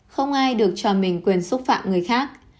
không ai được cho mình quyền xúc phạm người khác